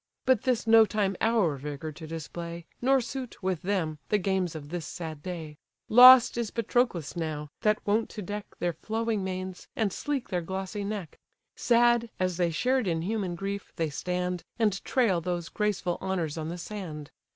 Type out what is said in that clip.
But this no time our vigour to display; Nor suit, with them, the games of this sad day: Lost is Patroclus now, that wont to deck Their flowing manes, and sleek their glossy neck. Sad, as they shared in human grief, they stand, And trail those graceful honours on the sand!